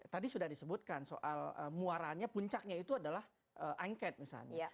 tadi sudah disebutkan soal muaraannya puncaknya itu adalah angket misalnya